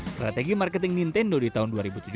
strategi marketing nintendo di tahun dua ribu tujuh belas